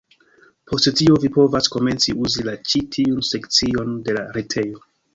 Post tio vi povas komenci uzi la ĉi tiun sekcion de la retejo.